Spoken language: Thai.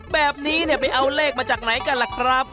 แบบนี้เนี่ยไปเอาเลขมาจากไหนกันล่ะครับ